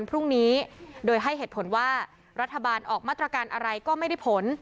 พรุ่งนี้โดยให้เหตุผลว่ารัฐบาลออกมาตรการอะไรก็ไม่ได้ผล